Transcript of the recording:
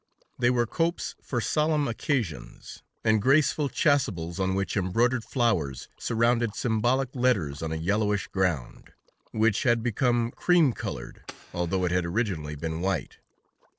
They were copes for solemn occasions, and graceful chasubles on which embroidered flowers surrounded symbolic letters on a yellowish ground, which had become cream colored, although it had originally been white.